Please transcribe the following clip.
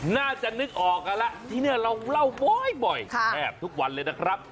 น่าจะนึกออกกันแล้วที่นี่เราเล่าบ่อยแทบทุกวันเลยนะครับ